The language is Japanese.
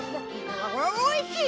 おいしい！